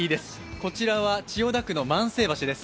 こちらは千代田区の万世橋です。